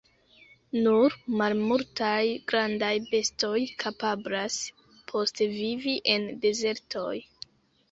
Nur malmultaj grandaj bestoj kapablas postvivi en dezertoj.